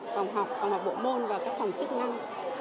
phòng học phòng học bộ môn và các phòng chức năng